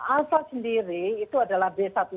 alpha sendiri itu adalah